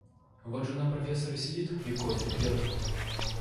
Вот жена профессора сидит и кофе пьет.